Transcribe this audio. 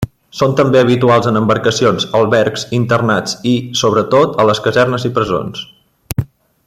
Són també habituals en embarcacions, albergs, internats i, sobretot, a les casernes i presons.